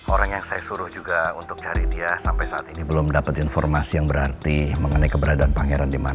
orang yang saya suruh juga untuk cari dia sampai saat ini belum dapat informasi yang berarti mengenai keberadaan pangeran di mana